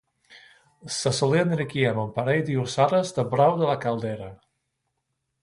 se solia enriquir amb un parell de llossades del brou de la caldera